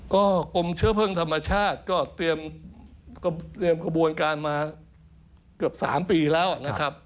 ก็กรมเชื้อเพลิงธรรมชาติก็เตรียมกระบวนการมาเกือบ๓ปีแล้วนะครับ